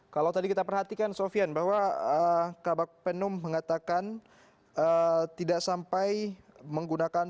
kalau tadi kita perhatikan sofian bahwa kabak penum mengatakan tidak sampai menggunakan